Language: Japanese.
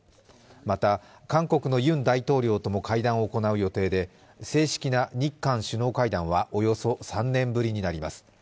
また韓国のユン大統領とも会談を行う予定で、正式な日韓首脳会談はおよそ３年ぶりになります。